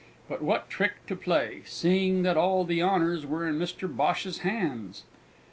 But what trick to play, seeing that all the honours were in Mr Bhosh's hands?